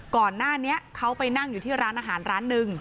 ก่อนหน้านี้เขาไปนั่งอยู่ที่ร้านอาหารร้านหนึ่ง